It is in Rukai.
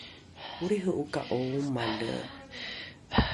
olriho’oka’o omale?